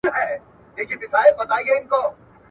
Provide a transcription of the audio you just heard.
دا کتاب د چا لخوا ليکل شوی و؟